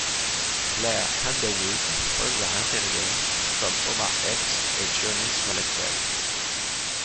Blair Underwood pose à l'intérieur, tout comme Omar Epps et Jurnee Smollett-Bell.